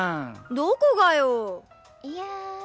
どこがよ！いや。